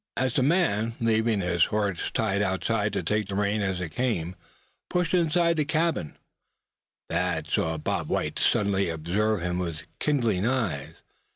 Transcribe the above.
As the man, leaving his horse tied outside to take the rain as it came, pushed inside the cabin, Thad saw Bob White suddenly observe him with kindling eyes.